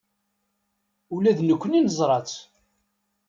Ula d nekkni neẓra-tt.